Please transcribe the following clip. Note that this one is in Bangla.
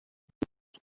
নিচে নেমে পড়ো জলদি!